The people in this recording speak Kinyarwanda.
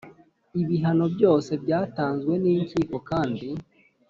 Ibihano byose byatanzwe n inkiko kandi